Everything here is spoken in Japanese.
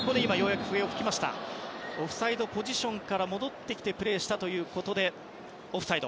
オフサイドポジションから戻ってきてプレーしたということでオフサイド。